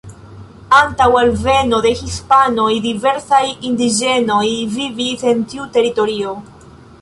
Antaŭ alveno de hispanoj diversaj indiĝenoj vivis en tiu teritorio.